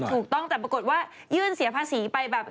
ถูกต้องแต่ปรากฏว่ายื่นเสียภาษีไปแบบ